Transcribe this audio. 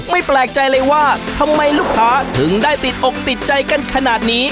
แปลกใจเลยว่าทำไมลูกค้าถึงได้ติดอกติดใจกันขนาดนี้